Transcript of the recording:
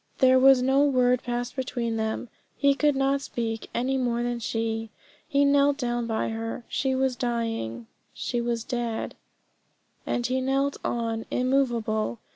There was no word passed between them. He could not speak, any more than could she. He knelt down by her. She was dying; she was dead; and he knelt on immovable.